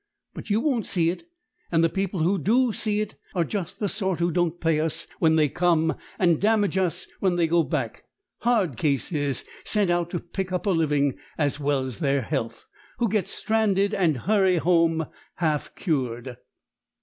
But you won't see it; and the people who do see it are just the sort who don't pay us when they come, and damage us when they go back, hard cases, sent out to pick up a living as well as their health, who get stranded and hurry home half cured."